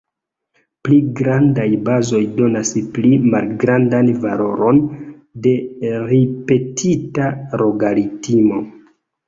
Pli grandaj bazoj donas pli malgrandan valoron de ripetita logaritmo.